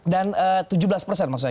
dan tujuh belas persen maksudnya